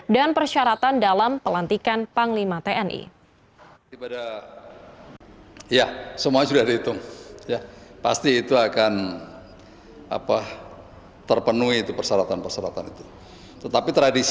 dan persyaratan dalam pelantikan panglima tni